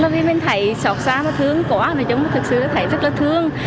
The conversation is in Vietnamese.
vì mình thấy sọc xa và thương quá mình thật sự thấy rất là thương